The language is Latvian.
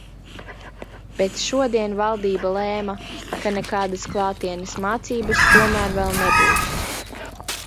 Bet šodien valdība lēma, ka nekādas klātienes mācības tomēr vēl nebūs.